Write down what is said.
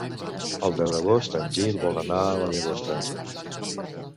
El deu d'agost en Gil vol anar a la Llagosta.